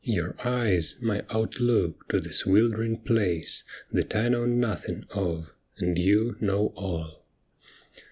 Your eyes my outlook to this wild'ring place That I know nothing of, and you know all.'